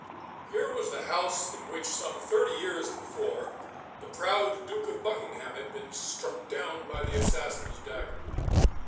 Here was the house in which some thirty years before the proud Duke of Buckingham had been struck down by the assassin's dagger.